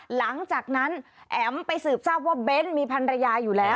หลังจากนั้นแอ๋มไปสืบทราบว่าเบ้นมีพันรยาอยู่แล้ว